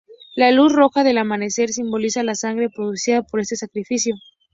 La luz roja del amanecer simboliza la sangre producida por este sacrificio.